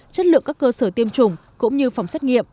chất lượng các cơ sở tiêm chủng cũng như phòng xét nghiệm